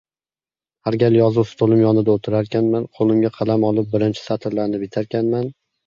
Har gal yozuv stolim yonida o‘tirarkanman, qo‘limga qalam olib birinchi satrlarni bitarkanman